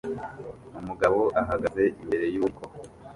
Umugabo ahagaze imbere yububiko